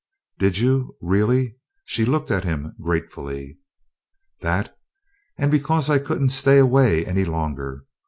"Did you really?" She looked at him gratefully. "That and because I couldn't stay away any longer.